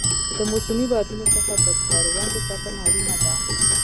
د موسمي بادونو څخه د کروندې ساتنه اړینه ده.